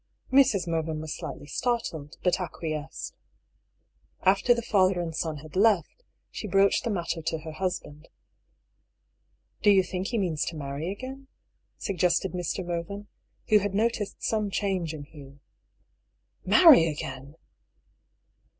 Mrs. Mervyn was slightly startled, but acquiesced. After the father and son had left, she broached the mat ter to her husband. " Do you think he means to marry again ?" sug gested Mr. Mervyn, who had noticed some change in Hugh. " Marry again